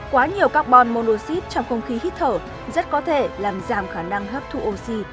quá nhiều carbon monoxide trong không khí hít thở rất có thể làm giảm khả năng hấp thụ oxy